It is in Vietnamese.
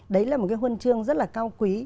đấy là một cái huân chương rất là cao quý